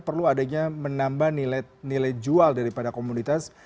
perlu adanya menambah nilai jual daripada komunitas